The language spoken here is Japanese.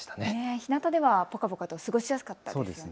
ひなたではぽかぽかと過ごしやすかったですね。